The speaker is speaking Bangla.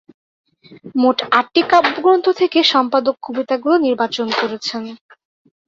মোট আটটি কাব্যগ্রন্থ থেকে সম্পাদক কবিতাগুলো নির্বাচন করেছেন।